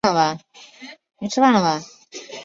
来源专家社群其他连结